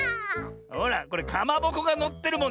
ほらこれかまぼこがのってるもんね。